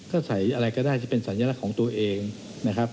ก็ใส่อะไรก็ได้จะเป็นสัญลักษณ์ของตัวเองนะครับ